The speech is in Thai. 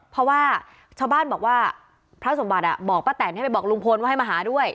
เพราะว่าชาวบ้านบอกว่าพระสมบัติบอกป้าแตนให้ไปบอกลุงพลว่าให้มาหาด้วย